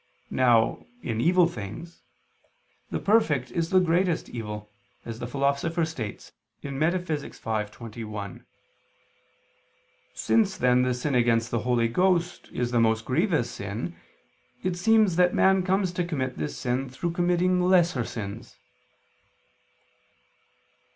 Now, in evil things, the perfect is the greatest evil, as the Philosopher states (Metaph. v, text. 21). Since then the sin against the Holy Ghost is the most grievous sin, it seems that man comes to commit this sin through committing lesser sins.